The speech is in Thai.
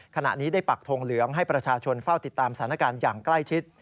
ขณะนี้ได้ปักทงเหลืองให้ประชาชนเฝ้าติดตามสถานการณ์อย่างใกล้ชิด